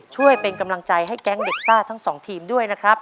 ช่วยเป็นกำลังใจให้แก๊งเด็กซ่าทั้งสองทีมด้วยนะครับ